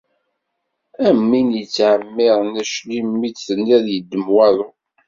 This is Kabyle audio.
Am win yettɛemmiṛen aclim, mi tenniḍ yeddem waḍu.